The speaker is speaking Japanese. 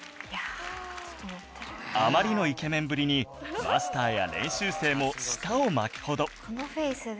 あまりのイケメンぶりにマスターや練習生も舌を巻くほど